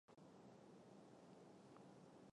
萨勒河畔萨尔是德国巴伐利亚州的一个市镇。